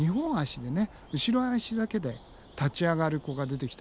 後ろ足だけで立ち上がる子が出てきたのね。